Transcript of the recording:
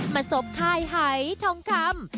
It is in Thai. มาสบค่ายไห้ท้องคำ